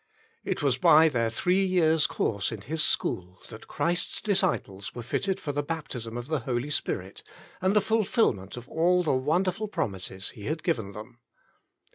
It was by their three years' course in His school that Christ's disciples were fitted for the baptism of the Holy Spirit, and the fulfilment of all the wonderful promises He had given them.